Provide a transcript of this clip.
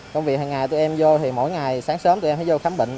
công việc hằng ngày tụi em vô thì mỗi ngày sáng sớm tụi em phải vô khám bệnh